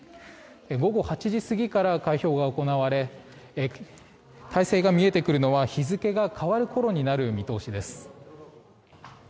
午後８時過ぎから開票が行われ大勢が見えてくるのは日付が変わる頃になる見通しです。